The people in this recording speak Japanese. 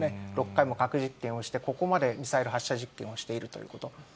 ６回も核実験をして、ここまでミサイル発射実験をしているということ。